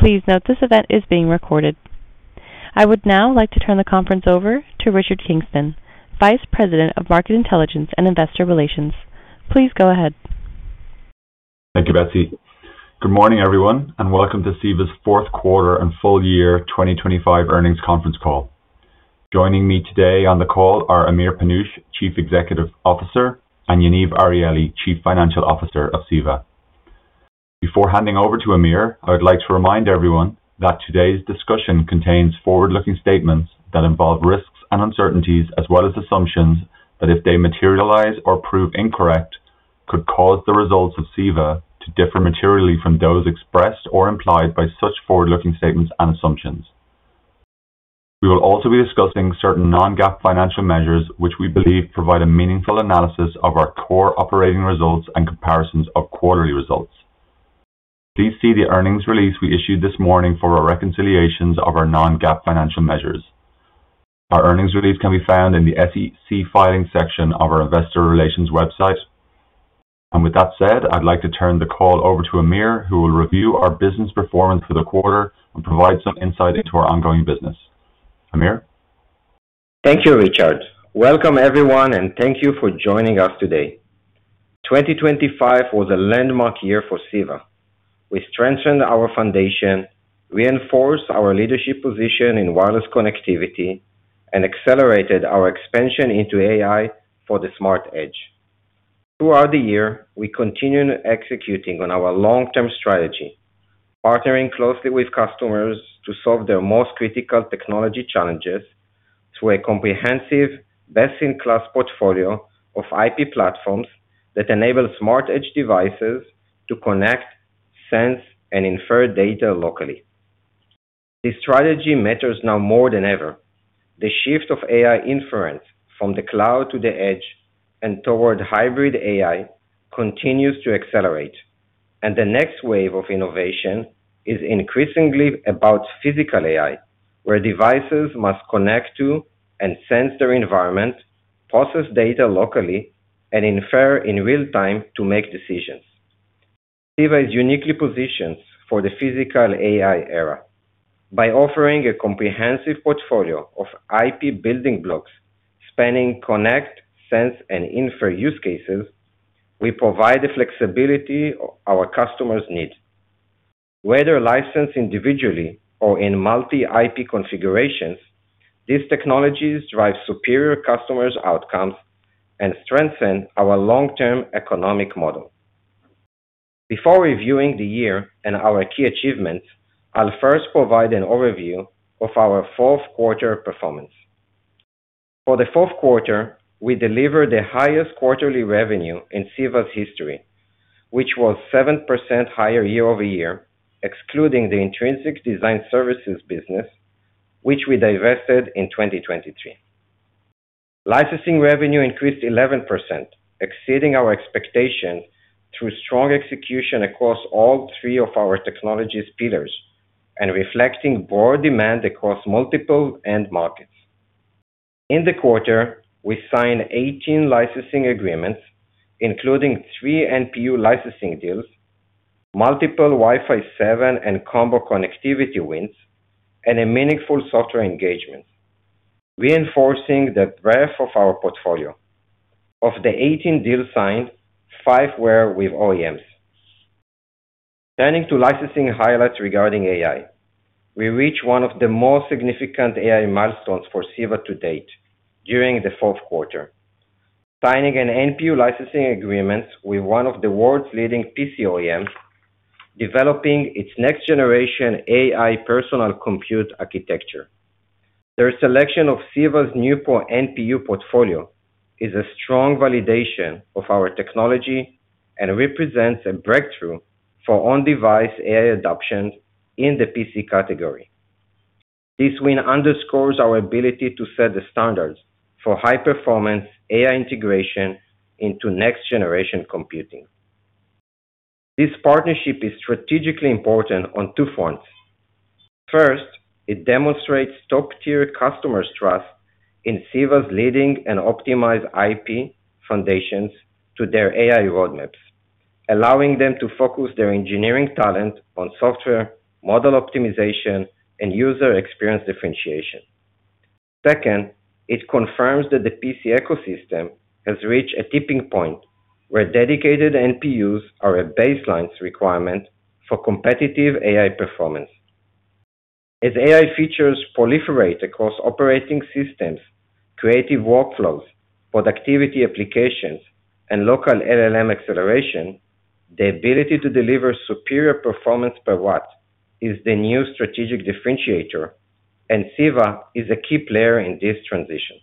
Please note this event is being recorded. I would now like to turn the conference over to Richard Kingston, Vice President of Market Intelligence and Investor Relations. Please go ahead. Thank you, Betsy. Good morning, everyone, and welcome to CEVA's Fourth Quarter and Full-Year 2025 Earnings Conference Call. Joining me today on the call are Amir Panush, Chief Executive Officer, and Yaniv Arieli, Chief Financial Officer of CEVA. Before handing over to Amir, I would like to remind everyone that today's discussion contains forward-looking statements that involve risks and uncertainties, as well as assumptions that, if they materialize or prove incorrect, could cause the results of CEVA to differ materially from those expressed or implied by such forward-looking statements and assumptions. We will also be discussing certain non-GAAP financial measures, which we believe provide a meaningful analysis of our core operating results and comparisons of quarterly results. Please see the earnings release we issued this morning for our reconciliations of our non-GAAP financial measures. Our earnings release can be found in the SEC Filing section of our investor relations website. With that said, I'd like to turn the call over to Amir, who will review our business performance for the quarter and provide some insight into our ongoing business. Amir? Thank you, Richard. Welcome, everyone, and thank you for joining us today. 2025 was a landmark year for CEVA. We strengthened our foundation, reinforced our leadership position in wireless connectivity, and accelerated our expansion into AI for the smart edge. Throughout the year, we continued executing on our long-term strategy, partnering closely with customers to solve their most critical technology challenges through a comprehensive, best-in-class portfolio of IP platforms that enable smart edge devices to connect, sense, and infer data locally. This strategy matters now more than ever. The shift of AI inference from the cloud to the edge and toward hybrid AI continues to accelerate, and the next wave of innovation is increasingly about physical AI, where devices must connect to and sense their environment, process data locally, and infer in real time to make decisions. CEVA is uniquely positioned for the physical AI era. By offering a comprehensive portfolio of IP building blocks spanning connect, sense, and infer use cases, we provide the flexibility our customers need. Whether licensed individually or in multi-IP configurations, these technologies drive superior customers' outcomes and strengthen our long-term economic model. Before reviewing the year and our key achievements, I'll first provide an overview of our fourth quarter performance. For the fourth quarter, we delivered the highest quarterly revenue in CEVA's history, which was 7% higher year-over-year, excluding the Intrinsix design services business, which we divested in 2023. Licensing revenue increased 11%, exceeding our expectations through strong execution across all three of our technology pillars and reflecting broad demand across multiple end markets. In the quarter, we signed 18 licensing agreements, including three NPU licensing deals, multiple Wi-Fi 7 and combo connectivity wins, and a meaningful software engagement, reinforcing the breadth of our portfolio. Of the 18 deals signed, five were with OEMs. Turning to licensing highlights regarding AI. We reached one of the most significant AI milestones for CEVA to date during the fourth quarter, signing an NPU licensing agreement with one of the world's leading PC OEMs, developing its next generation AI personal compute architecture. Their selection of CEVA's new NPU portfolio is a strong validation of our technology and represents a breakthrough for on-device AI adoption in the PC category. This win underscores our ability to set the standards for high-performance AI integration into next-generation computing. This partnership is strategically important on two fronts. First, it demonstrates top-tier customers' trust in CEVA's leading and optimized IP foundations to their AI roadmaps, allowing them to focus their engineering talent on software, model optimization, and user experience differentiation. Second, it confirms that the PC ecosystem has reached a tipping point where dedicated NPUs are a baseline requirement for competitive AI performance. As AI features proliferate across operating systems, creative workflows, productivity applications, and local LLM acceleration, the ability to deliver superior performance per watt is the new strategic differentiator, and CEVA is a key player in this transition.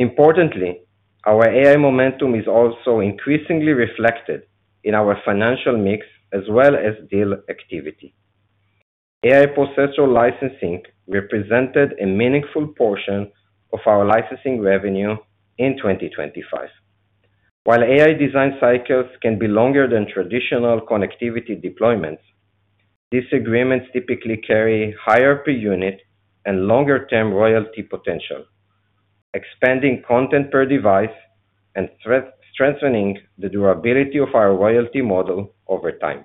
Importantly, our AI momentum is also increasingly reflected in our financial mix as well as deal activity. AI processor licensing represented a meaningful portion of our licensing revenue in 2025. While AI design cycles can be longer than traditional connectivity deployments, these agreements typically carry higher per unit and longer-term royalty potential.... expanding content per device and strengthening the durability of our royalty model over time.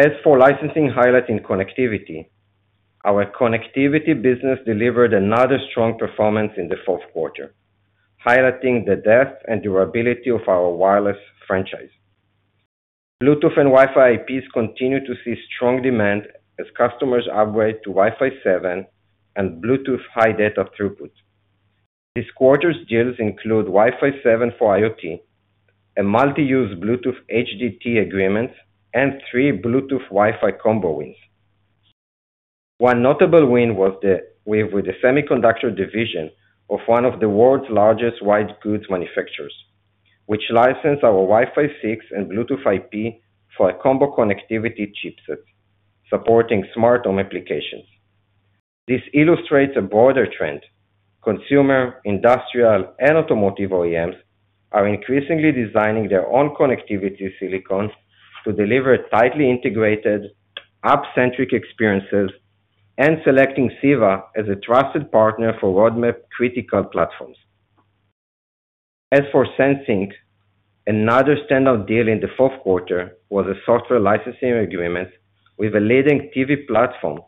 As for licensing highlight in connectivity, our connectivity business delivered another strong performance in the fourth quarter, highlighting the depth and durability of our wireless franchise. Bluetooth and Wi-Fi IPs continue to see strong demand as customers upgrade to Wi-Fi 7 and Bluetooth high data throughput. This quarter's deals include Wi-Fi 7 for IoT, a multi-use Bluetooth HDT agreement, and three Bluetooth Wi-Fi combo wins. One notable win was with the semiconductor division of one of the world's largest white goods manufacturers, which licensed our Wi-Fi 6 and Bluetooth IP for a combo connectivity chipset, supporting smart home applications. This illustrates a broader trend. Consumer, industrial, and automotive OEMs are increasingly designing their own connectivity silicon to deliver tightly integrated, app-centric experiences and selecting CEVA as a trusted partner for roadmap-critical platforms. As for sensing, another standout deal in the fourth quarter was a software licensing agreement with a leading TV platform,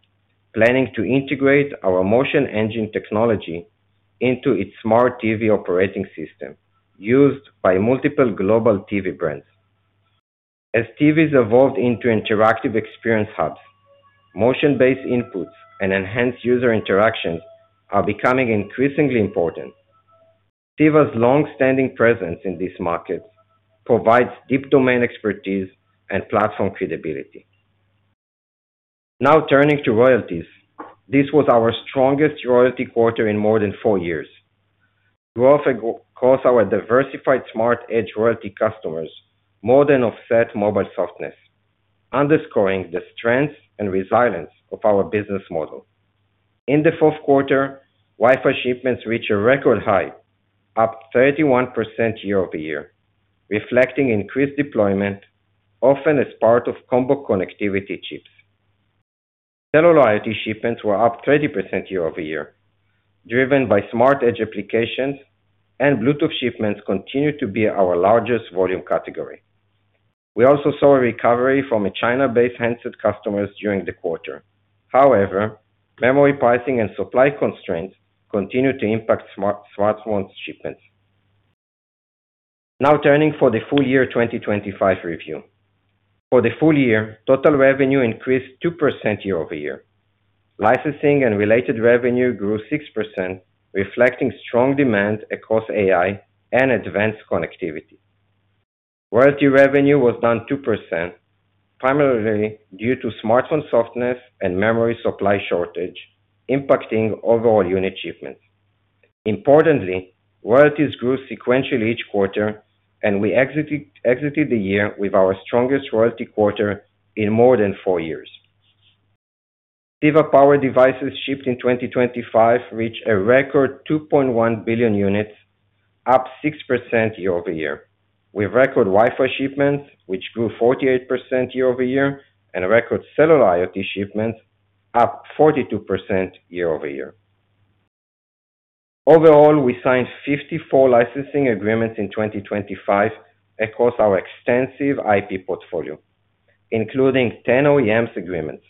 planning to integrate our MotionEngine technology into its smart TV operating system, used by multiple global TV brands. As TVs evolve into interactive experience hubs, motion-based inputs and enhanced user interactions are becoming increasingly important. CEVA's long-standing presence in this market provides deep domain expertise and platform credibility. Now turning to royalties. This was our strongest royalty quarter in more than four years. Growth across our diversified smart edge royalty customers more than offset mobile softness, underscoring the strength and resilience of our business model. In the fourth quarter, Wi-Fi shipments reached a record high, up 31% year-over-year, reflecting increased deployment, often as part of combo connectivity chips. Cellular IoT shipments were up 20% year-over-year, driven by smart edge applications, and Bluetooth shipments continued to be our largest volume category. We also saw a recovery from a China-based handset customer during the quarter. However, memory pricing and supply constraints continued to impact smartphone shipments. Now turning for the full-year 2025 review. For the full-year, total revenue increased 2% year-over-year. Licensing and related revenue grew 6%, reflecting strong demand across AI and advanced connectivity. Royalty revenue was down 2%, primarily due to smartphone softness and memory supply shortage, impacting overall unit shipments. Importantly, royalties grew sequentially each quarter, and we exited the year with our strongest royalty quarter in more than four years. CEVA-powered devices shipped in 2025 reached a record 2.1 billion units, up 6% year-over-year, with record Wi-Fi shipments, which grew 48% year-over-year, and record cellular IoT shipments up 42% year-over-year. Overall, we signed 54 licensing agreements in 2025 across our extensive IP portfolio, including 10 OEM agreements.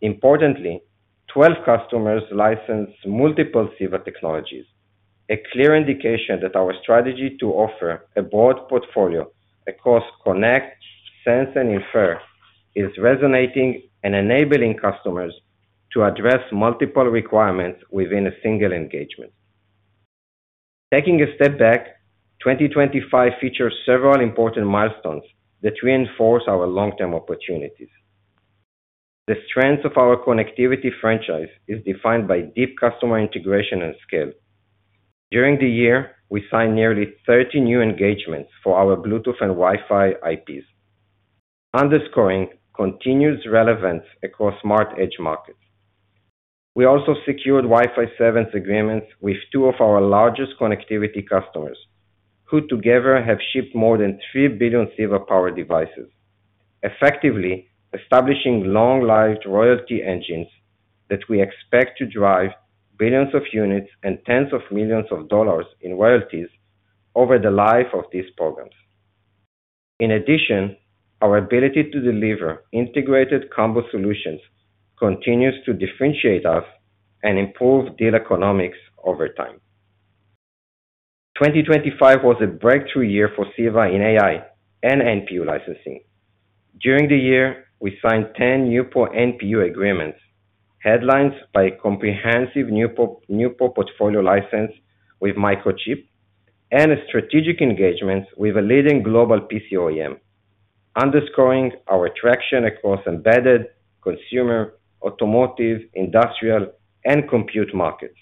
Importantly, 12 customers licensed multiple CEVA technologies, a clear indication that our strategy to offer a broad portfolio across connect, sense, and infer is resonating and enabling customers to address multiple requirements within a single engagement. Taking a step back, 2025 features several important milestones that reinforce our long-term opportunities. The strength of our connectivity franchise is defined by deep customer integration and scale. During the year, we signed nearly 30 new engagements for our Bluetooth and Wi-Fi IPs, underscoring continuous relevance across smart edge markets. We also secured Wi-Fi 7 agreements with two of our largest connectivity customers, who together have shipped more than 3 billion CEVA power devices, effectively establishing long-lived royalty engines that we expect to drive billions of units and tens of millions of dollars in royalties over the life of these programs. In addition, our ability to deliver integrated combo solutions continues to differentiate us and improve deal economics over time. 2025 was a breakthrough year for CEVA in AI and NPU licensing. During the year, we signed 10 new NPU agreements, headlined by a comprehensive new portfolio license with Microchip and a strategic engagement with a leading global PC OEM, underscoring our traction across embedded, consumer, automotive, industrial, and compute markets.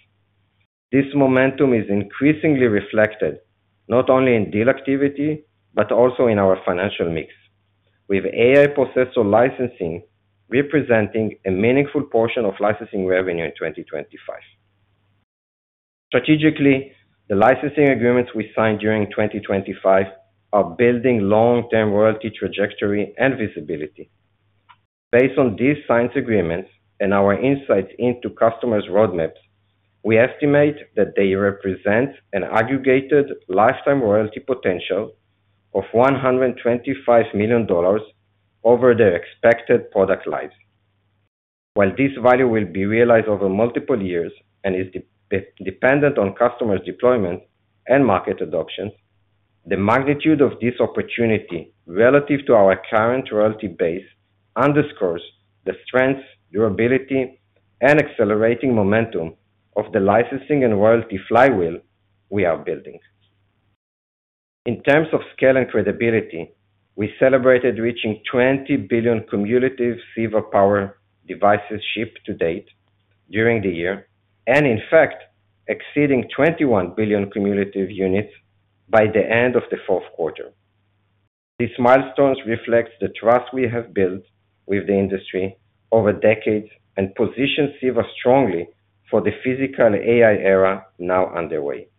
This momentum is increasingly reflected not only in deal activity, but also in our financial mix, with AI processor licensing representing a meaningful portion of licensing revenue in 2025. Strategically, the licensing agreements we signed during 2025 are building long-term royalty trajectory and visibility. Based on these signed agreements and our insights into customers' roadmaps, we estimate that they represent an aggregated lifetime royalty potential of $125 million over their expected product life. While this value will be realized over multiple years and is dependent on customers' deployment and market adoption, the magnitude of this opportunity relative to our current royalty base underscores the strength, durability, and accelerating momentum of the licensing and royalty flywheel we are building. In terms of scale and credibility, we celebrated reaching 20 billion cumulative CEVA-powered devices shipped to date during the year, and in fact, exceeding 21 billion cumulative units by the end of the fourth quarter. These milestones reflect the trust we have built with the industry over decades and position CEVA strongly for the physical AI era now underway.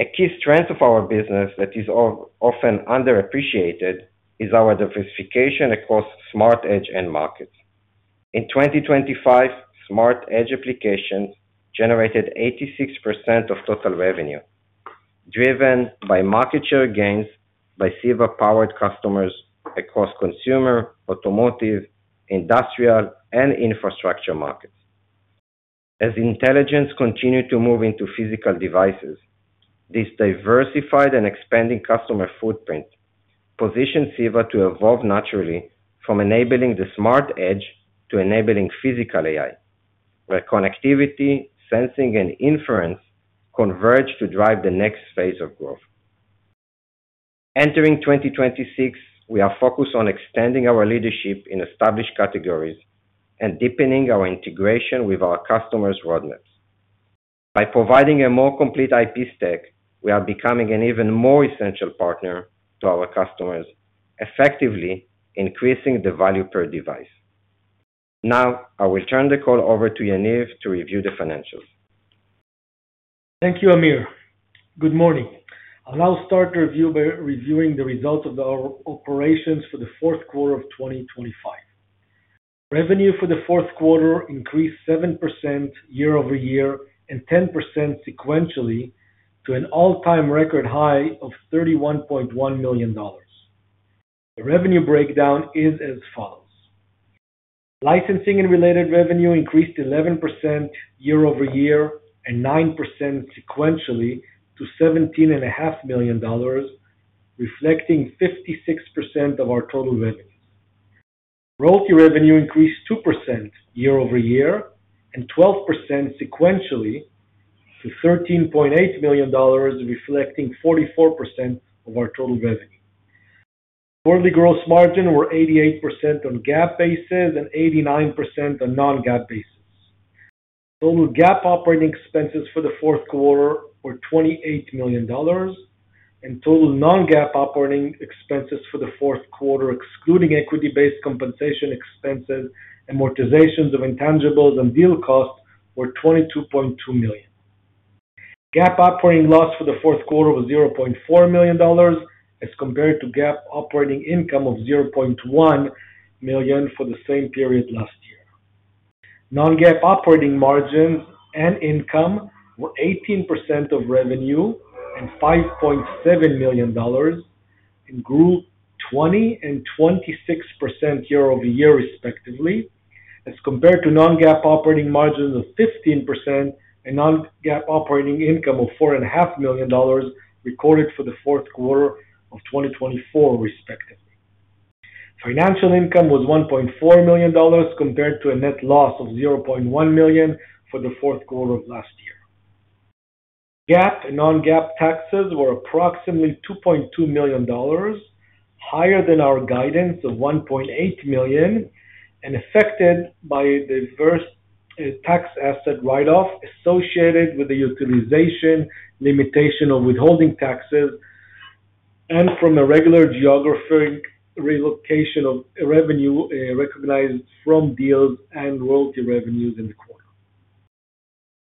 A key strength of our business that is often underappreciated is our diversification across smart edge end markets. In 2025, smart edge applications generated 86% of total revenue, driven by market share gains by CEVA-powered customers across consumer, automotive, industrial, and infrastructure markets. As intelligence continued to move into physical devices, this diversified and expanding customer footprint positioned CEVA to evolve naturally from enabling the smart edge to enabling physical AI, where connectivity, sensing, and inference converge to drive the next phase of growth. Entering 2026, we are focused on extending our leadership in established categories and deepening our integration with our customers' roadmaps. By providing a more complete IP stack, we are becoming an even more essential partner to our customers, effectively increasing the value per device. Now, I will turn the call over to Yaniv to review the financials. Thank you, Amir. Good morning. I'll now start the review by reviewing the results of our operations for the fourth quarter of 2025. Revenue for the fourth quarter increased 7% year-over-year and 10% sequentially to an all-time record high of $31.1 million. The revenue breakdown is as follows: licensing and related revenue increased 11% year-over-year and 9% sequentially to $17.5 million, reflecting 56% of our total revenue. Royalty revenue increased 2% year-over-year and 12% sequentially to $13.8 million, reflecting 44% of our total revenue. Quarterly gross margin were 88% on GAAP basis and 89% on non-GAAP basis. Total GAAP operating expenses for the fourth quarter were $28 million, and total non-GAAP operating expenses for the fourth quarter, excluding equity-based compensation expenses, amortizations of intangibles, and deal costs, were $22.2 million. GAAP operating loss for the fourth quarter was $0.4 million, as compared to GAAP operating income of $0.1 million for the same period last year. Non-GAAP operating margins and income were 18% of revenue and $5.7 million, and grew 20% and 26% year-over-year, respectively, as compared to non-GAAP operating margins of 15% and non-GAAP operating income of $4.5 million recorded for the fourth quarter of 2024, respectively. Financial income was $1.4 million, compared to a net loss of $0.1 million for the fourth quarter of last year. GAAP and non-GAAP taxes were approximately $2.2 million, higher than our guidance of $1.8 million, and affected by the deferred tax asset write-off associated with the utilization limitation of withholding taxes, and from irregular geographic relocation of revenue, recognized from deals and royalty revenues in the quarter.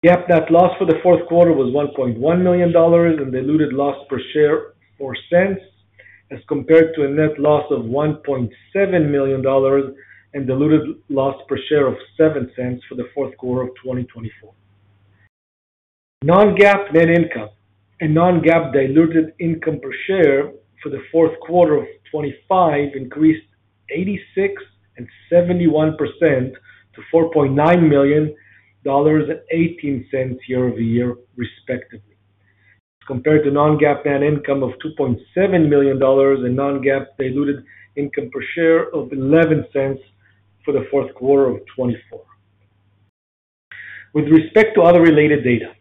GAAP net loss for the fourth quarter was $1.1 million and diluted loss per share of 2 cents, as compared to a net loss of $1.7 million and diluted loss per share of 7 cents for the fourth quarter of 2024. Non-GAAP net income and non-GAAP diluted income per share for the fourth quarter of 2025 increased 86% and 71% to $4.9 million, $0.18 year-over-year, respectively, compared to non-GAAP net income of $2.7 million and non-GAAP diluted income per share of $0.11 for the fourth quarter of 2024. With respect to other related data,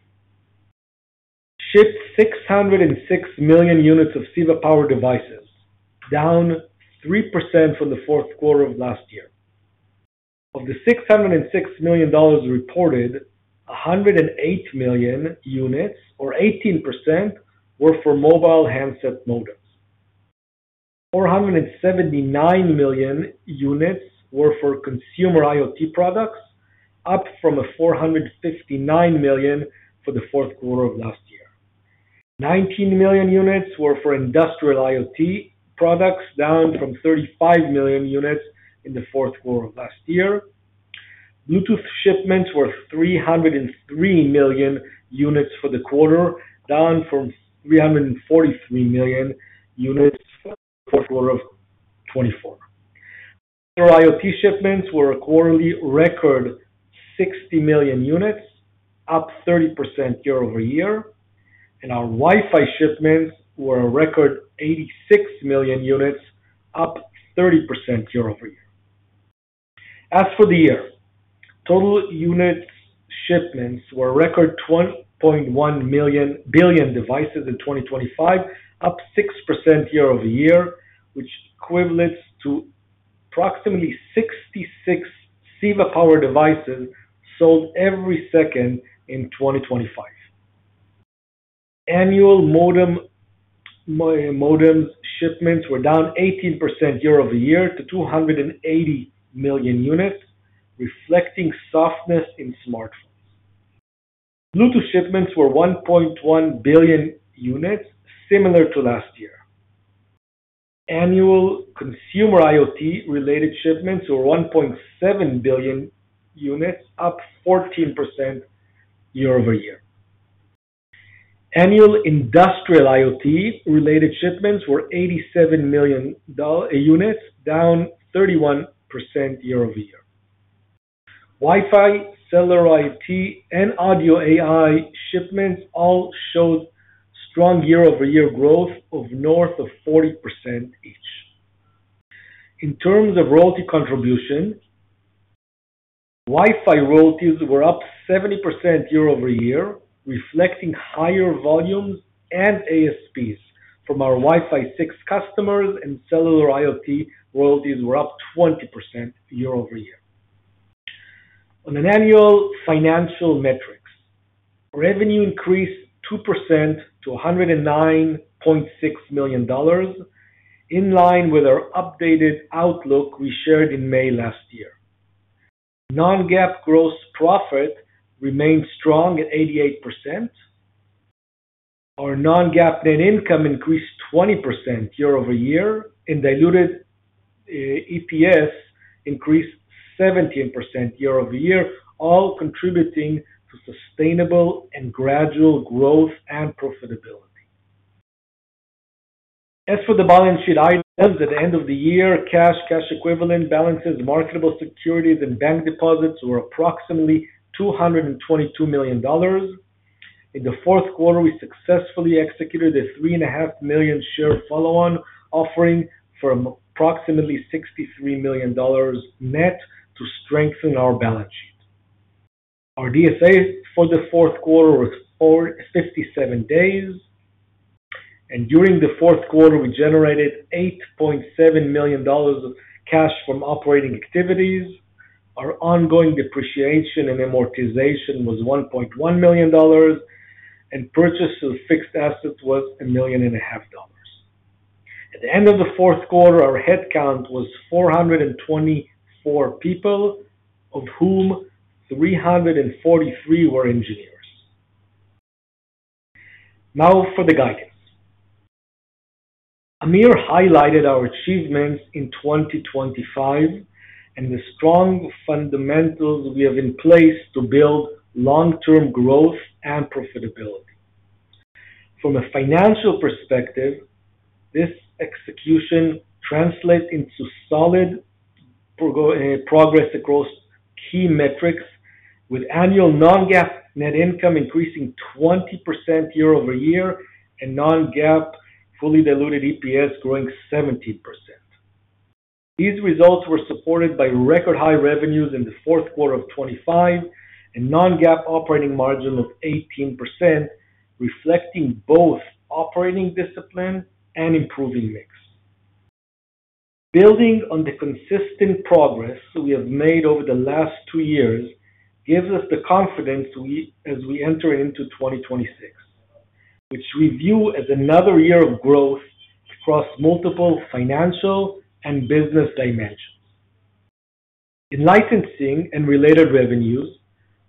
shipped 606 million units of CEVA-powered devices, down 3% from the fourth quarter of last year. Of the $606 million reported, 108 million units or 18% were for mobile handset modems. 479 million units were for consumer IoT products, up from 459 million for the fourth quarter of last year.... 19 million units were for industrial IoT products, down from 35 million units in the fourth quarter of last year. Bluetooth shipments were 303 million units for the quarter, down from 343 million units in the fourth quarter of 2024. Our IoT shipments were a quarterly record, 60 million units, up 30% year-over-year, and our Wi-Fi shipments were a record 86 million units, up 30% year-over-year. As for the year, total units shipments were a record 1.1 billion devices in 2025, up 6% year-over-year, which equates to approximately 66 SiPower devices sold every second in 2025. Annual modem shipments were down 18% year-over-year to 280 million units, reflecting softness in smartphones. Bluetooth shipments were 1.1 billion units, similar to last year. Annual consumer IoT-related shipments were 1.7 billion units, up 14% year-over-year. Annual industrial IoT-related shipments were 87 million units, down 31% year-over-year. Wi-Fi, cellular IoT, and audio AI shipments all showed strong year-over-year growth of north of 40% each. In terms of royalty contribution, Wi-Fi royalties were up 70% year-over-year, reflecting higher volumes and ASPs from our Wi-Fi 6 customers, and cellular IoT royalties were up 20% year-over-year. On an annual financial metrics, revenue increased 2% to $109.6 million, in line with our updated outlook we shared in May last year. Non-GAAP gross profit remained strong at 88%. Our non-GAAP net income increased 20% year-over-year, and diluted EPS increased 17% year-over-year, all contributing to sustainable and gradual growth and profitability. As for the balance sheet items, at the end of the year, cash, cash equivalents, balances, marketable securities, and bank deposits were approximately $222 million. In the fourth quarter, we successfully executed a 3.5 million share follow-on offering for approximately $63 million net to strengthen our balance sheet. Our DSOs for the fourth quarter were 47 days, and during the fourth quarter, we generated $8.7 million of cash from operating activities. Our ongoing depreciation and amortization was $1.1 million, and purchase of fixed assets was $1.5 million. At the end of the fourth quarter, our headcount was 424 people, of whom 343 were engineers. Now for the guidance. Amir highlighted our achievements in 2025 and the strong fundamentals we have in place to build long-term growth and profitability. From a financial perspective, this execution translates into solid progress across key metrics, with annual non-GAAP net income increasing 20% year-over-year and non-GAAP fully diluted EPS growing 17%. These results were supported by record high revenues in the fourth quarter of 2025 and non-GAAP operating margin of 18%, reflecting both operating discipline and improving mix. Building on the consistent progress we have made over the last two years gives us the confidence as we enter into 2026, which we view as another year of growth across multiple financial and business dimensions. In licensing and related revenues,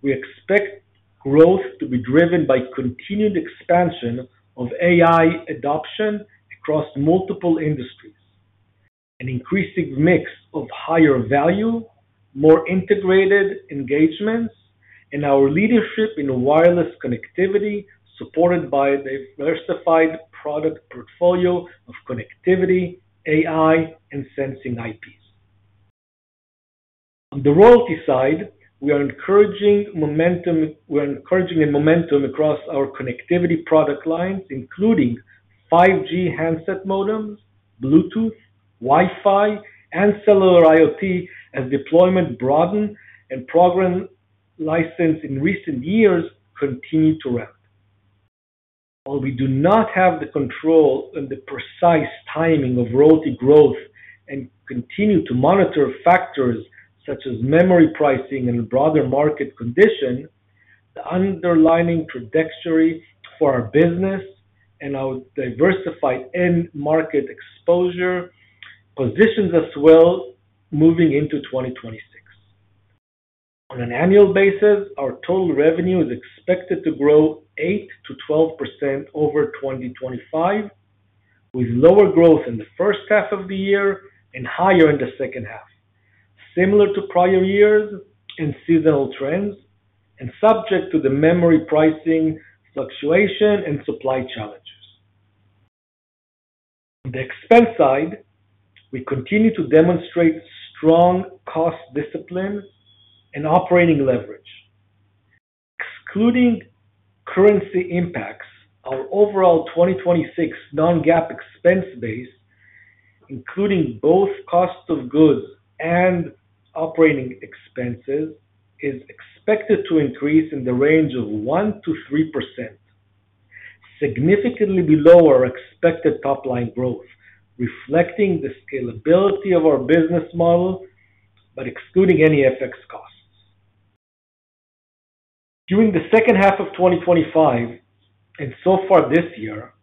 we expect growth to be driven by continued expansion of AI adoption across multiple industries, an increasing mix of higher value, more integrated engagements, and our leadership in wireless connectivity, supported by a diversified product portfolio of connectivity, AI, and sensing IPs. On the royalty side, we are encouraging momentum. We're encouraging by the momentum across our connectivity product lines, including 5G handset modems, Bluetooth, Wi-Fi, and cellular IoT, as deployment broaden and programs licensed in recent years continue to ramp. While we do not have control on the precise timing of royalty growth and continue to monitor factors such as memory pricing and broader market conditions, the underlying trajectory for our business and our diversified end-market exposure positions us well moving into 2026. On an annual basis, our total revenue is expected to grow 8%-12% over 2025, with lower growth in the first half of the year and higher in the second half, similar to prior years and seasonal trends, and subject to memory pricing fluctuations and supply challenges. On the expense side, we continue to demonstrate strong cost discipline and operating leverage. Excluding currency impacts, our overall 2026 non-GAAP expense base, including both cost of goods and operating expenses, is expected to increase in the range of 1%-3%, significantly below our expected top-line growth, reflecting the scalability of our business model, but excluding any FX costs. During the second half of 2025, and so far this year,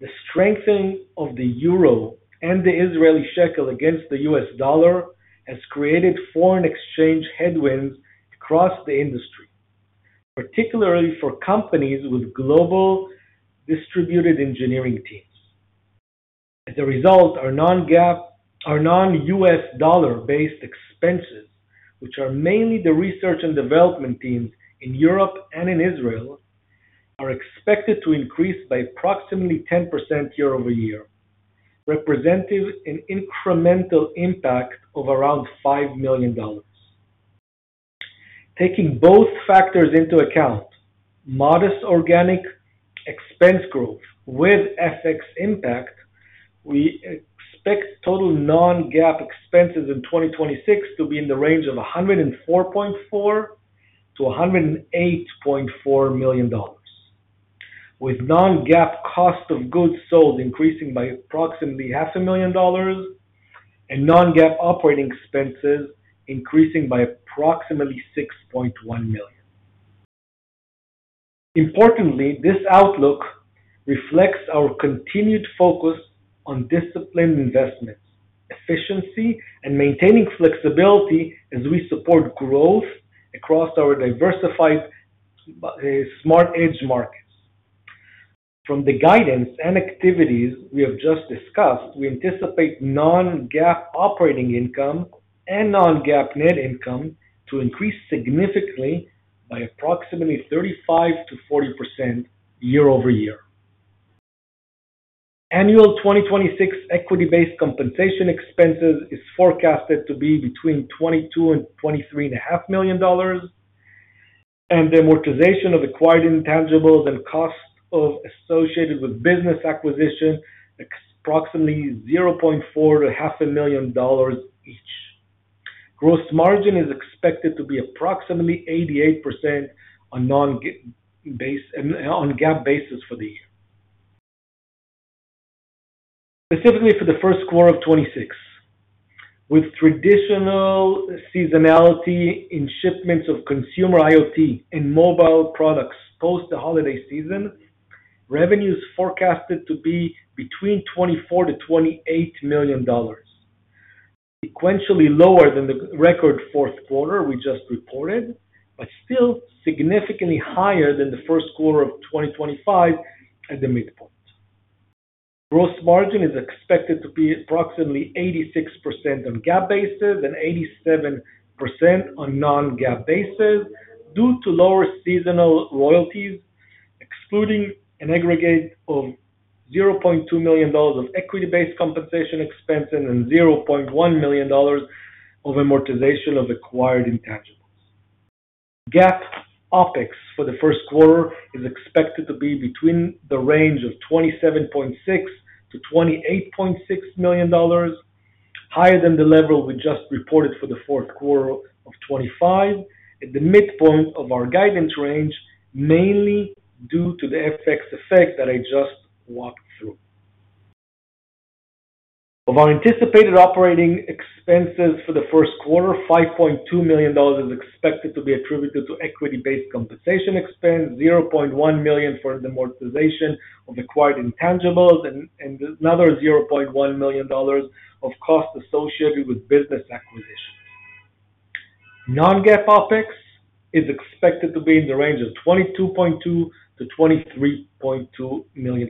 the strengthening of the euro and the Israeli shekel against the US dollar has created foreign exchange headwinds across the industry, particularly for companies with global distributed engineering teams. As a result, our non-GAAP—our non-US dollar-based expenses, which are mainly the research and development teams in Europe and in Israel, are expected to increase by approximately 10% year-over-year, representing an incremental impact of around $5 million. Taking both factors into account, modest organic expense growth with FX impact, we expect total non-GAAP expenses in 2026 to be in the range of $104.4 million-$108.4 million, with non-GAAP cost of goods sold increasing by approximately $500,000 and non-GAAP operating expenses increasing by approximately $6.1 million. Importantly, this outlook reflects our continued focus on disciplined investments, efficiency, and maintaining flexibility as we support growth across our diversified, smart edge markets. From the guidance and activities we have just discussed, we anticipate non-GAAP operating income and non-GAAP net income to increase significantly by approximately 35%-40% year-over-year. Annual 2026 equity-based compensation expenses is forecasted to be between $22 million and $23.5 million, and the amortization of acquired intangibles and costs associated with business acquisition, approximately $0.4 million-$0.5 million each. Gross margin is expected to be approximately 88% on non-GAAP basis, on GAAP basis for the year. Specifically, for the first quarter of 2026, with traditional seasonality in shipments of consumer IoT and mobile products, post the holiday season, revenue is forecasted to be between $24 million-$28 million, sequentially lower than the record fourth quarter we just reported, but still significantly higher than the first quarter of 2025 at the midpoint. Gross margin is expected to be approximately 86% on GAAP basis and 87% on non-GAAP basis due to lower seasonal royalties, excluding an aggregate of $0.2 million of equity-based compensation expenses and $0.1 million of amortization of acquired intangibles. GAAP OpEx for the first quarter is expected to be between the range of $27.6 million-$28.6 million, higher than the level we just reported for the fourth quarter of 25, at the midpoint of our guidance range, mainly due to the FX effect that I just walked through. Of our anticipated operating expenses for the first quarter, $5.2 million is expected to be attributed to equity-based compensation expense, $0.1 million for the amortization of acquired intangibles, and another $0.1 million of costs associated with business acquisitions. Non-GAAP OpEx is expected to be in the range of $22.2 million-$23.2 million.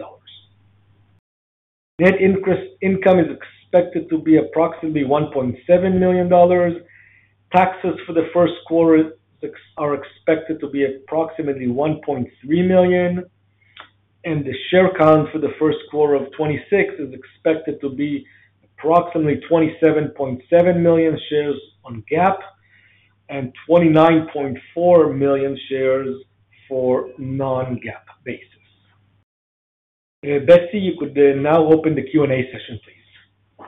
Net income is expected to be approximately $1.7 million. Taxes for the first quarter are expected to be approximately $1.3 million, and the share count for the first quarter of 2026 is expected to be approximately 27.7 million shares on GAAP and 29.4 million shares for non-GAAP basis. Betsy, you could now open the Q&A session, please.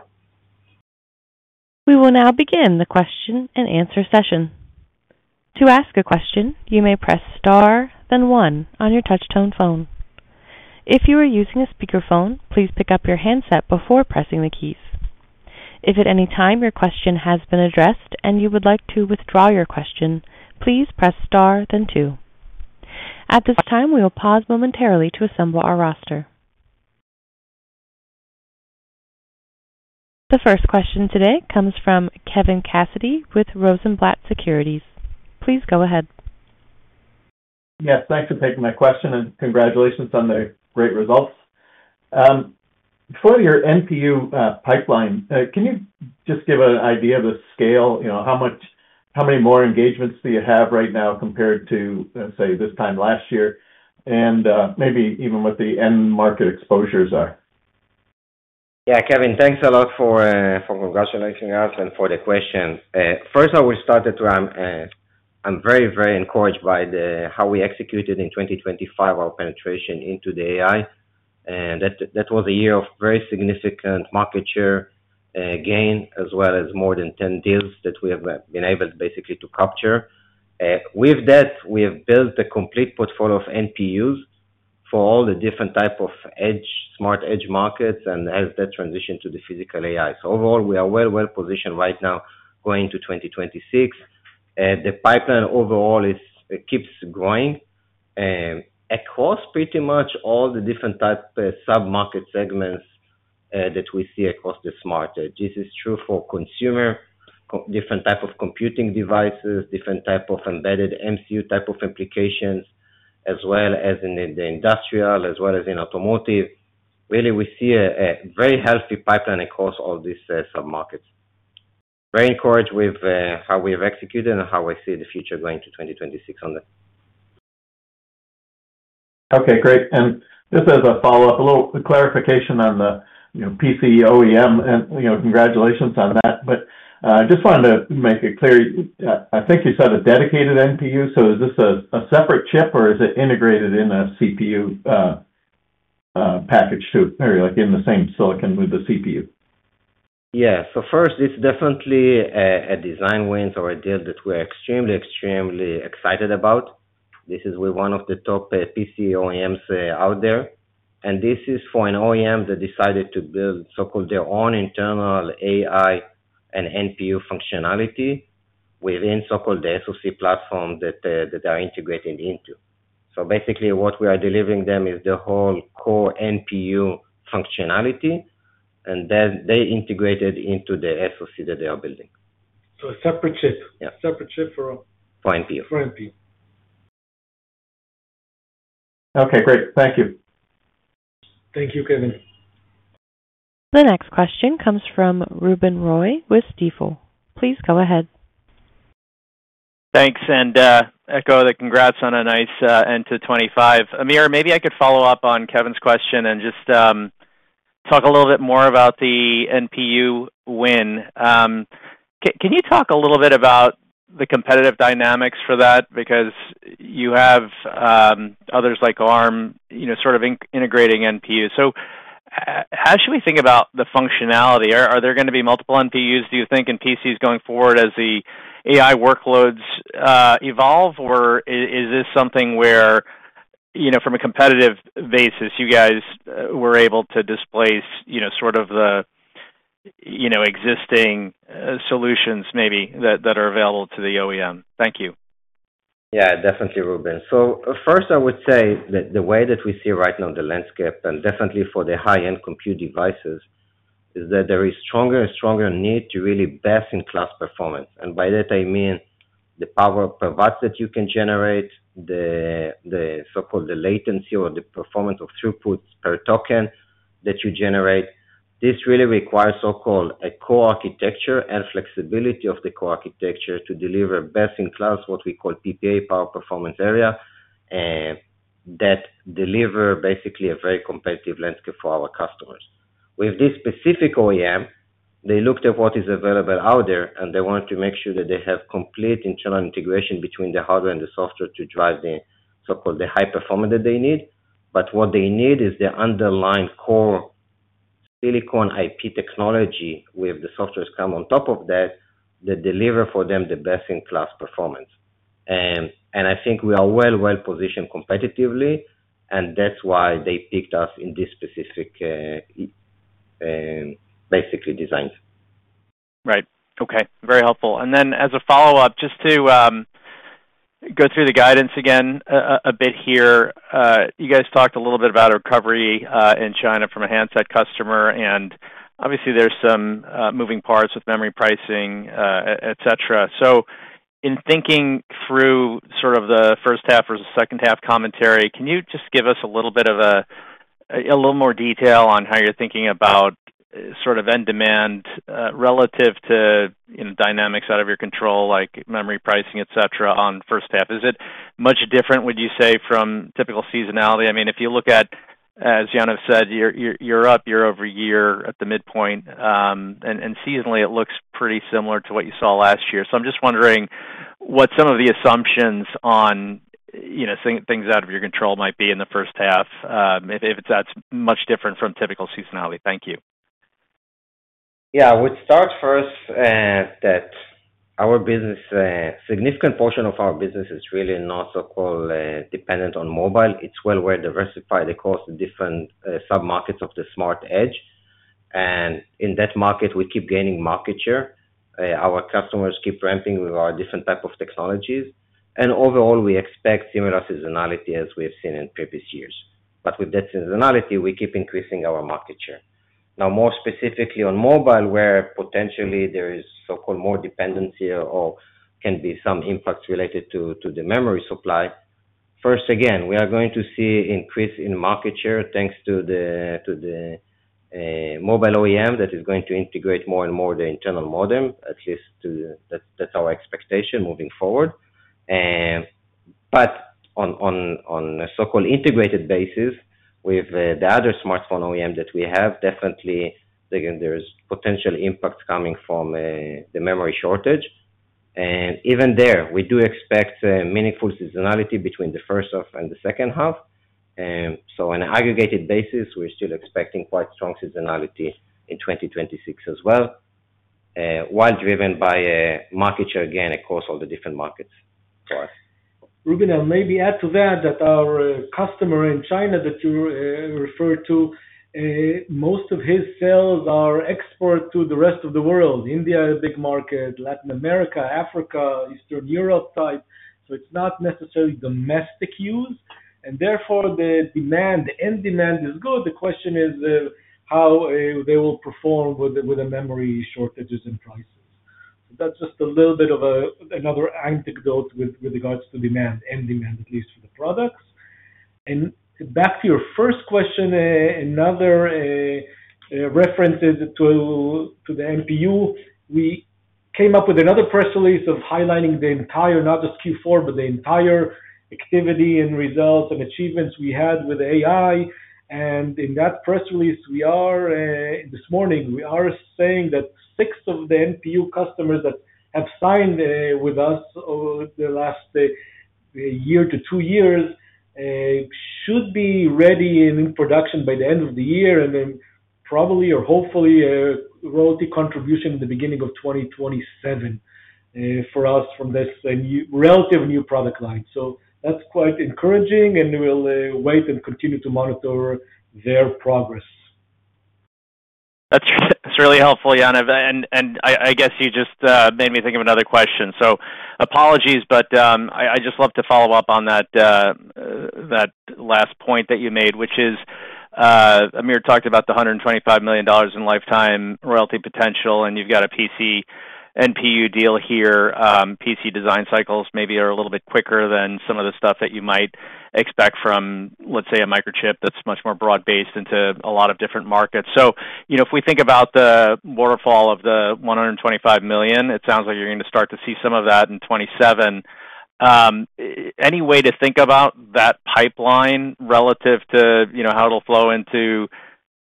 We will now begin the question and answer session. To ask a question, you may press Star, then one on your touchtone phone. If you are using a speakerphone, please pick up your handset before pressing the keys. If at any time your question has been addressed and you would like to withdraw your question, please press Star, then two. At this time, we will pause momentarily to assemble our roster. The first question today comes from Kevin Cassidy with Rosenblatt Securities. Please go ahead. Yes, thanks for taking my question, and congratulations on the great results. For your NPU pipeline, can you just give an idea of the scale? You know, how many more engagements do you have right now compared to, say, this time last year? And maybe even what the end market exposures are? Yeah, Kevin, thanks a lot for, for congratulating us and for the question. First, I will start that I'm, I'm very, very encouraged by the, how we executed in 2025, our penetration into the AI. And that, that was a year of very significant market share, gain, as well as more than 10 deals that we have been able basically to capture. With that, we have built a complete portfolio of NPUs for all the different type of edge, Smart Edge markets and as they transition to the Physical AI. So overall, we are well, well-positioned right now going to 2026. The pipeline overall is, it keeps growing, across pretty much all the different types of sub-market segments, that we see across the Smart Edge. This is true for consumer, different type of computing devices, different type of embedded MCU type of applications, as well as in the industrial, as well as in automotive. Really, we see a very healthy pipeline across all these sub-markets. Very encouraged with how we have executed and how I see the future going to 2026 on it. Okay, great. And just as a follow-up, a little clarification on the, you know, PC OEM and, you know, congratulations on that. But, just wanted to make it clear, I think you said a dedicated NPU, so is this a separate chip or is it integrated in a CPU package too—like in the same silicon with the CPU? Yeah. So first, it's definitely a design win or a deal that we're extremely, extremely excited about. This is with one of the top PC OEMs out there, and this is for an OEM that decided to build, so-called, their own internal AI and NPU functionality within, so-called, the SoC platform that they are integrating into. So basically, what we are delivering them is the whole core NPU functionality, and then they integrate it into the SoC that they are building. So a separate chip? Yeah. Separate chip for all. For NPU. For NPU. Okay, great. Thank you. Thank you, Kevin. The next question comes from Ruben Roy with Stifel. Please go ahead. Thanks, and echo the congrats on a nice end to 2025. Amir, maybe I could follow up on Kevin's question and just talk a little bit more about the NPU win. Can you talk a little bit about the competitive dynamics for that? Because you have others like Arm, you know, sort of integrating NPU. So how should we think about the functionality? Are there going to be multiple NPUs, do you think, in PCs going forward as the AI workloads evolve? Or is this something where, you know, from a competitive basis, you guys were able to displace, you know, sort of the existing solutions maybe that are available to the OEM? Thank you. Yeah, definitely, Ruben. So first, I would say that the way that we see right now, the landscape, and definitely for the high-end compute devices, is that there is stronger and stronger need to really best-in-class performance. And by that I mean the power per watts that you can generate, the so-called, the latency or the performance of throughput per token that you generate. This really requires so-called, a core architecture and flexibility of the core architecture to deliver best-in-class, what we call PPA, Power Performance Area, that deliver basically a very competitive landscape for our customers. With this specific OEM, they looked at what is available out there, and they wanted to make sure that they have complete internal integration between the hardware and the software to drive the so-called, the high performance that they need. But what they need is the underlying core silicon IP technology, with the softwares come on top of that, that deliver for them the best-in-class performance. And I think we are well, well-positioned competitively, and that's why they picked us in this specific, basically designs. Right. Okay. Very helpful. And then as a follow-up, just to go through the guidance again a bit here. You guys talked a little bit about recovery in China from a handset customer, and obviously there's some moving parts with memory pricing, et cetera. So in thinking through sort of the first half or the second half commentary, can you just give us a little bit of a little more detail on how you're thinking about sort of end demand relative to, you know, dynamics out of your control, like memory pricing, et cetera, on first half? Is it much different, would you say, from typical seasonality? I mean, if you look at, as Yaniv said, you're up year-over-year at the midpoint, and seasonally, it looks pretty similar to what you saw last year. I'm just wondering what some of the assumptions on, you know, things out of your control might be in the first half, if it's that much different from typical seasonality. Thank you. Yeah. I would start first that our business, significant portion of our business is really not so-called dependent on mobile. It's well-diversified across the different sub-markets of the Smart Edge. And in that market, we keep gaining market share. Our customers keep ramping with our different type of technologies, and overall, we expect similar seasonality as we have seen in previous years. But with that seasonality, we keep increasing our market share. Now, more specifically on mobile, where potentially there is so-called more dependency or can be some impacts related to the memory supply. First, again, we are going to see increase in market share, thanks to the mobile OEM that is going to integrate more and more the internal modem, at least to—that's our expectation moving forward. But on a so-called integrated basis, with the other smartphone OEM that we have, definitely, again, there is potential impact coming from the memory shortage. And even there, we do expect meaningful seasonality between the first half and the second half. So on an aggregated basis, we're still expecting quite strong seasonality in 2026 as well, while driven by market share, again, across all the different markets for us. Ruben, I'll maybe add to that, that our customer in China that you referred to, most of his sales are export to the rest of the world. India is a big market, Latin America, Africa, Eastern Europe type. So it's not necessarily domestic use, and therefore the demand, the end demand is good. The question is, how they will perform with the memory shortages and prices. That's just a little bit of another anecdote with regards to demand, end demand, at least for the products. And back to your first question, another references to the NPU. We came up with another press release of highlighting the entire, not just Q4, but the entire activity and results and achievements we had with AI. And in that press release, we are, this morning, we are saying that six of the NPU customers that have signed with us over the last year to 2 years should be ready in production by the end of the year, and then probably or hopefully royalty contribution in the beginning of 2027 for us from this new relatively new product line. So that's quite encouraging, and we'll wait and continue to monitor their progress. That's really helpful, Yaniv, and I guess you just made me think of another question. So apologies, but I I'd just love to follow up on that last point that you made, which is Amir talked about the $125 million in lifetime royalty potential, and you've got a PC NPU deal here. PC design cycles maybe are a little bit quicker than some of the stuff that you might expect from, let's say, a Microchip that's much more broad-based into a lot of different markets. So you know, if we think about the waterfall of the $125 million, it sounds like you're going to start to see some of that in 2027. Any way to think about that pipeline relative to, you know, how it'll flow into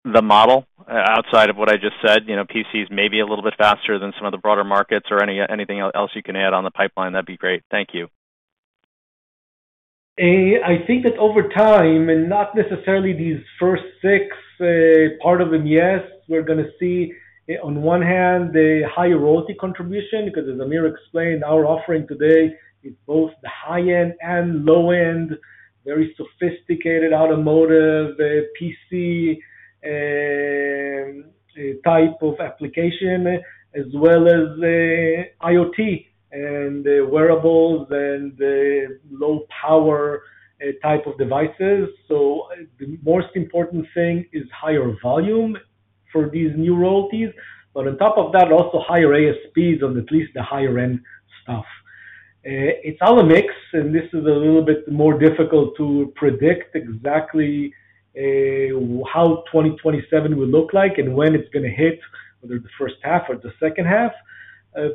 the model outside of what I just said? You know, PCs may be a little bit faster than some of the broader markets or anything else you can add on the pipeline, that'd be great. Thank you. I think that over time, and not necessarily these first six, part of them, yes, we're gonna see, on one hand, the high royalty contribution, because as Amir explained, our offering today is both the high-end and low-end, very sophisticated automotive, PC, and type of application, as well as, IoT and wearables and the low power, type of devices. So the most important thing is higher volume for these new royalties, but on top of that, also higher ASPs on at least the higher-end stuff. It's all a mix, and this is a little bit more difficult to predict exactly, how 2027 will look like and when it's gonna hit, whether the first half or the second half.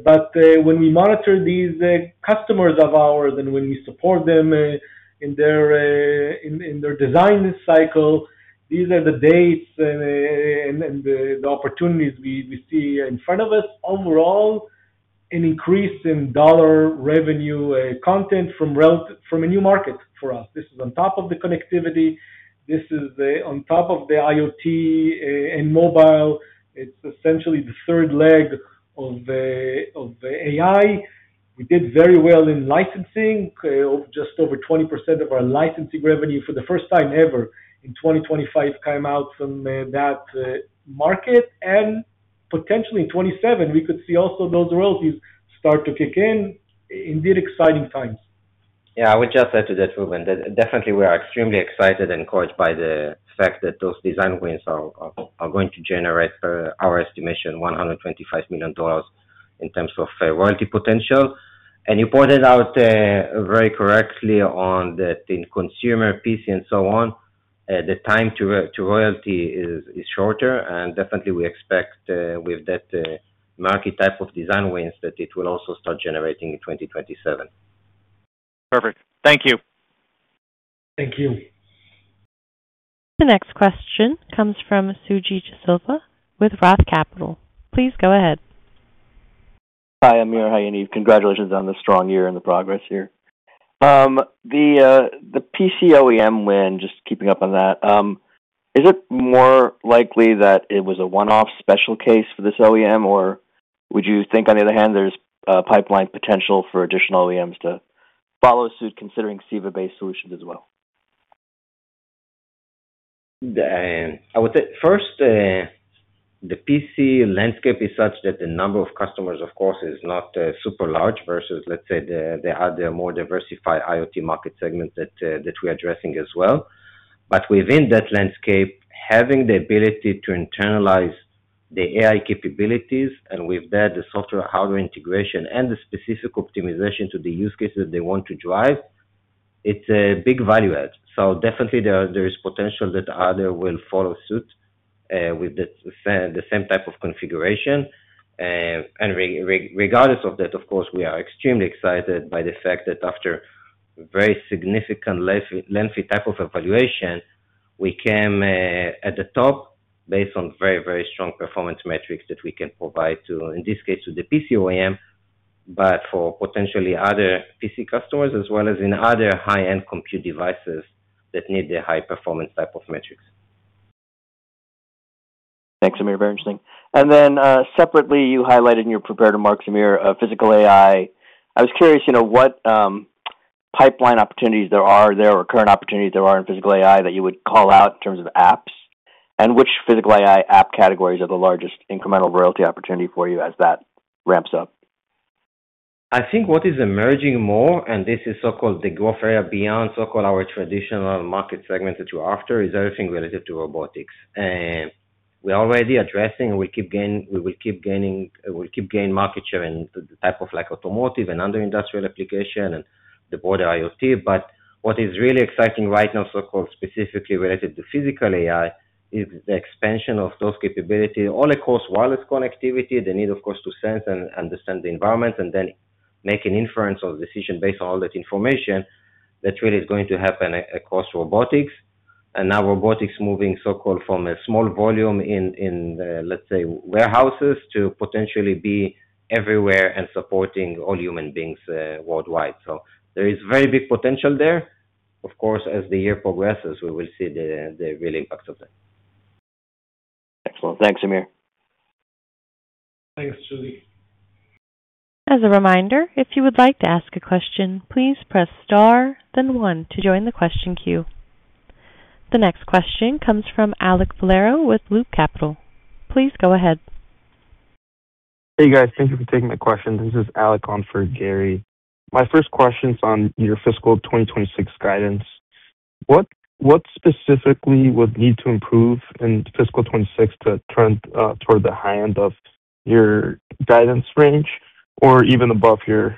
But when we monitor these customers of ours and when we support them in their design cycle, these are the dates and the opportunities we see in front of us. Overall, an increase in dollar revenue, content from a new market for us. This is on top of the connectivity, this is on top of the IoT, and mobile. It's essentially the third leg of the AI. We did very well in licensing. Just over 20% of our licensing revenue for the first time ever in 2025 came from that market, and potentially in 2027, we could see also those royalties start to kick in. Indeed, exciting times. Yeah, I would just add to that, Ruben, that definitely we are extremely excited and encouraged by the fact that those design wins are going to generate, our estimation, $125 million in terms of royalty potential. And you pointed out very correctly on that in consumer PC and so on, the time to royalty is shorter, and definitely we expect with that market type of design wins, that it will also start generating in 2027. Perfect. Thank you. Thank you. The next question comes from Suji Desilva with Roth Capital. Please go ahead. Hi, Amir. Hi, Yaniv. Congratulations on the strong year and the progress here. The PC OEM win, just keeping up on that, is it more likely that it was a one-off special case for this OEM? Or would you think, on the other hand, there's a pipeline potential for additional OEMs to follow suit, considering CEVA-based solutions as well? I would say first, the PC landscape is such that the number of customers, of course, is not super large versus, let's say, the other more diversified IoT market segment that we're addressing as well. But within that landscape, having the ability to internalize the AI capabilities, and with that, the software, hardware integration and the specific optimization to the use cases they want to drive, it's a big value add. So definitely there is potential that other will follow suit with the same type of configuration. And regardless of that, of course, we are extremely excited by the fact that after very significant, lengthy type of evaluation, we came at the top based on very, very strong performance metrics that we can provide to, in this case, to the PC OEM, but for potentially other PC customers, as well as in other high-end compute devices that need the high-performance type of metrics. Thanks, Amir. Very interesting. And then, separately, you highlighted in your prepared remarks, Amir, Physical AI. I was curious, you know, what pipeline opportunities there are there or current opportunities there are in Physical AI that you would call out in terms of apps? And which Physical AI app categories are the largest incremental royalty opportunity for you as that ramps up? I think what is emerging more, and this is so-called the growth area beyond so-called our traditional market segment that you're after, is everything related to robotics. We're already addressing, and we will keep gaining market share in the type of like automotive and other industrial application and the broader IoT. But what is really exciting right now, so-called specifically related to Physical AI, is the expansion of those capabilities, all across wireless connectivity, the need, of course, to sense and understand the environment, and then make an inference or decision based on all that information that really is going to happen across robotics. Now robotics moving so-called from a small volume in, let's say, warehouses, to potentially be everywhere and supporting all human beings worldwide. There is very big potential there. Of course, as the year progresses, we will see the real impact of that. Excellent. Thanks, Amir. Thanks, Suji. As a reminder, if you would like to ask a question, please press Star, then one to join the question queue. The next question comes from Alek Valero with Loop Capital. Please go ahead. Hey, guys. Thank you for taking my question. This is Alek on for Gary. My first question is on your fiscal 2026 guidance. What specifically would need to improve in fiscal 2026 to trend toward the high end of your guidance range or even above the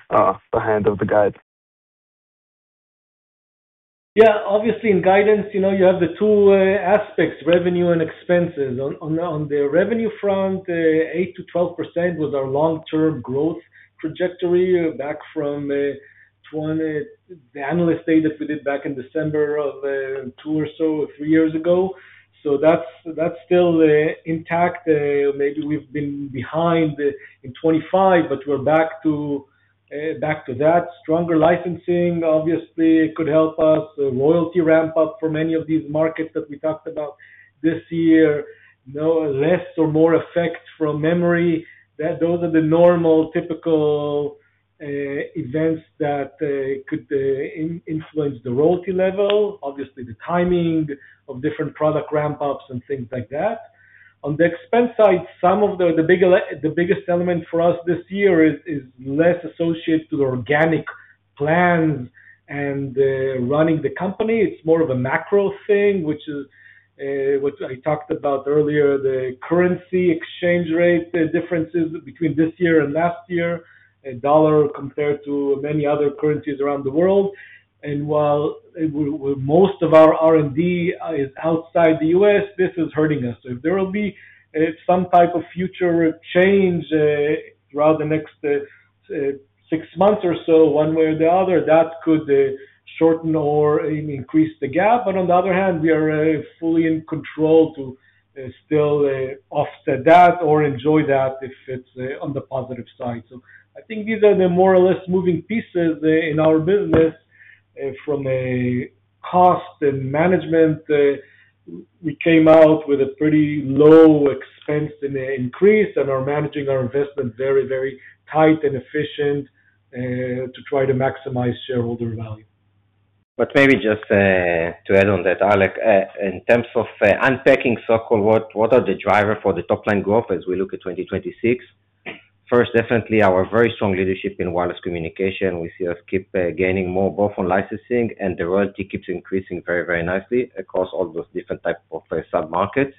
high end of the guide? Yeah, obviously, in guidance, you know, you have the two aspects, revenue and expenses. On the revenue front, 8%-12% was our long-term growth trajectory back from 20, the analyst data we did back in December of 2 or so, or 3 years ago. So that's still intact. Maybe we've been behind in 25, but we're back to that. Stronger licensing, obviously, could help us. Royalty ramp-up for many of these markets that we talked about this year, no less or more effect from memory. Those are the normal, typical events that could influence the royalty level. Obviously, the timing of different product ramp-ups and things like that. On the expense side, some of the, the biggest element for us this year is less associated to the organic plans and running the company. It's more of a macro thing, which is which I talked about earlier, the currency exchange rate, the differences between this year and last year, and the US dollar compared to many other currencies around the world. And while most of our R&D is outside the U.S., this is hurting us. So if there will be some type of future change throughout the next six months or so, one way or the other, that could shorten or increase the gap. But on the other hand, we are fully in control to still offset that or enjoy that if it's on the positive side. So I think these are the more or less moving pieces in our business from a cost and management. We came out with a pretty low expense and increase and are managing our investment very, very tight and efficient to try to maximize shareholder value. But maybe just to add on that, Alek, in terms of unpacking so-called what are the driver for the top line growth as we look at 2026? First, definitely our very strong leadership in wireless communication. We see us keep gaining more, both on licensing and the royalty keeps increasing very, very nicely across all those different types of sub-markets.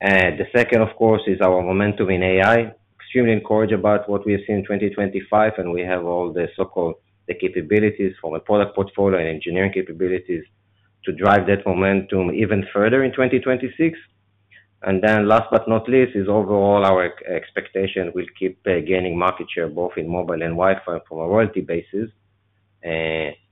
The second, of course, is our momentum in AI. Extremely encouraged about what we have seen in 2025, and we have all the so-called the capabilities from a product portfolio and engineering capabilities to drive that momentum even further in 2026. And then last but not least, is overall our expectation will keep gaining market share, both in mobile and Wi-Fi from a royalty basis.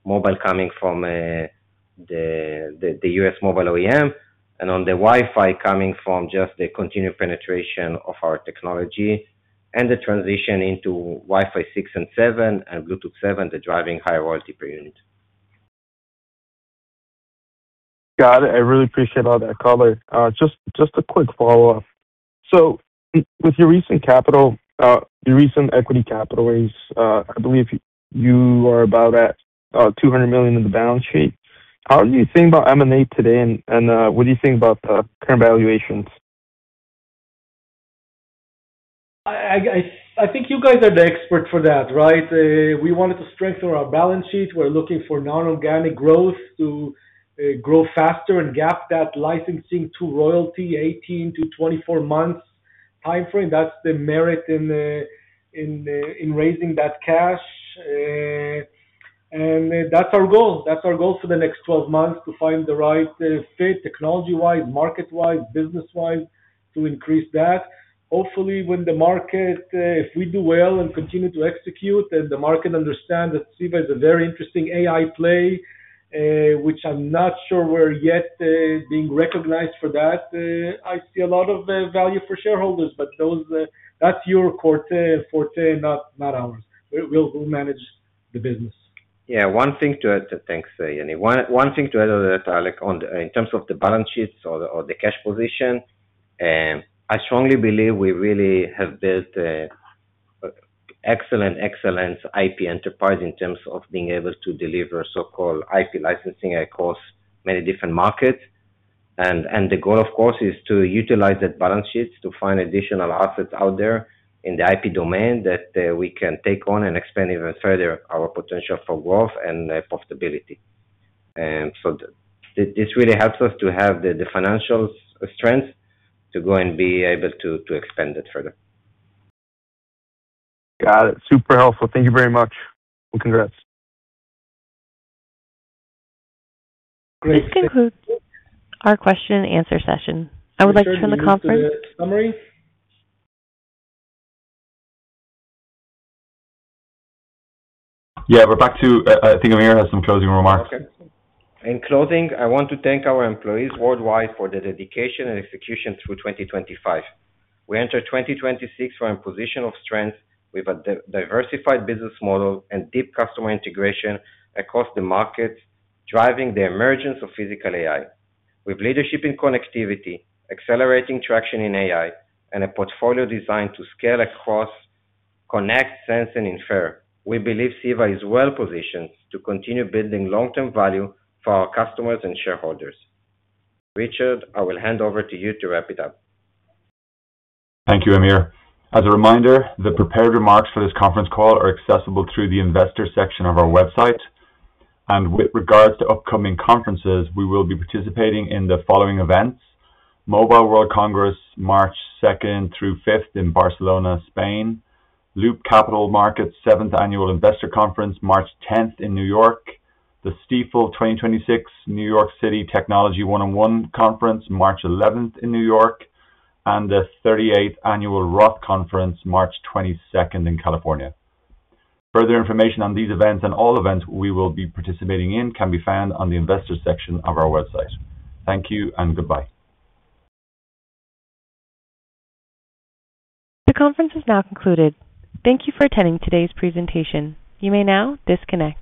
Mobile coming from the U.S. mobile OEM, and on the Wi-Fi, coming from just the continued penetration of our technology and the transition into Wi-Fi 6 and 7 and Bluetooth 7, the driving high royalty per unit. Got it. I really appreciate all that color. Just a quick follow-up. With your recent capital, your recent equity capital raise, I believe you are about at $200 million in the balance sheet. How do you think about M&A today, and what do you think about the current valuations? I think you guys are the expert for that, right? We wanted to strengthen our balance sheet. We're looking for non-organic growth to grow faster and gap that licensing to royalty 18-24 months time frame. That's the merit in raising that cash. And that's our goal. That's our goal for the next 12 months, to find the right fit, technology-wise, market-wise, business-wise, to increase that. Hopefully, when the market, if we do well and continue to execute, then the market understand that CEVA is a very interesting AI play, which I'm not sure we're yet being recognized for that. I see a lot of value for shareholders, but those, that's your forte, not ours. We'll manage the business. Yeah. Thanks, Yaniv. One thing to add to that, Alec, in terms of the balance sheets or the cash position. I strongly believe we really have built an excellent, excellent IP enterprise in terms of being able to deliver so-called IP licensing across many different markets. And the goal, of course, is to utilize that balance sheet to find additional assets out there in the IP domain that we can take on and expand even further our potential for growth and profitability. So this really helps us to have the financial strength to go and be able to expand it further. Got it. Super helpful. Thank you very much, and congrats. This concludes our question and answer session. I would like to turn the conference. Summary? Yeah, we're back to, I think Amir has some closing remarks. Okay. In closing, I want to thank our employees worldwide for their dedication and execution through 2025. We enter 2026 from a position of strength with a diversified business model and deep customer integration across the market, driving the emergence of physical AI. With leadership in connectivity, accelerating traction in AI, and a portfolio designed to scale across, connect, sense, and infer, we believe CEVA is well-positioned to continue building long-term value for our customers and shareholders. Richard, I will hand over to you to wrap it up. Thank you, Amir. As a reminder, the prepared remarks for this conference call are accessible through the investor section of our website. With regards to upcoming conferences, we will be participating in the following events: Mobile World Congress, March 2nd through 5th in Barcelona, Spain; Loop Capital Markets Seventh Annual Investor Conference, March 10th in New York; the Stifel 2026 New York City Technology One-on-One Conference, March 11th in New York; and the 38th Annual Roth Conference, March 22nd in California. Further information on these events and all events we will be participating in can be found on the investor section of our website. Thank you and goodbye. The conference is now concluded. Thank you for attending today's presentation. You may now disconnect.